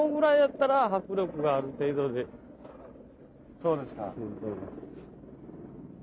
そうですか。